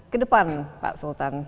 kedepan pak sultan